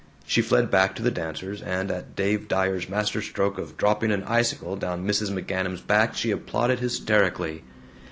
She fled back to the dancers, and at Dave Dyer's masterstroke of dropping an icicle down Mrs. McGanum's back she applauded hysterically.